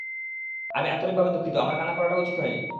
আমি আন্তরিকভাবে দুঃখিত, আমার কান্না করাটা উচিৎ হয়নি!